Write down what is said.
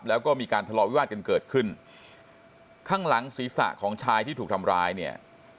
แล้วก็มีการทะเลาวิวาสกันเกิดขึ้นข้างหลังศีรษะของชายที่ถูกทำร้ายเนี่ย